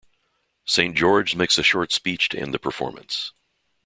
Saint George makes a short speech to end the performance.